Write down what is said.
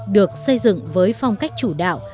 được xây dựng với phong cách chủ đạo